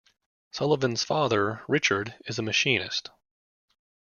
Sulivan's father, Richard, is a machinist.